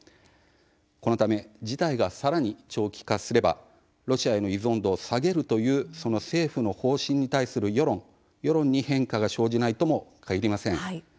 このため事態がさらに長期化すればロシアへの依存度を下げるというその政府の方針に対する世論に変化が生じないともかぎりません。